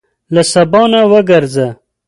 له سبا نه وګرځه.